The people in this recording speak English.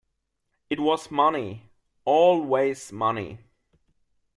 It was money — always money.